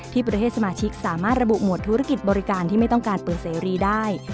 ประเทศสมาชิกสามารถระบุหมวดธุรกิจบริการที่ไม่ต้องการเปิดเสรีได้